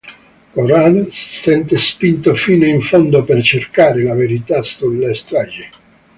Corrado si sente spinto fino in fondo per cercare la verità sulla strage.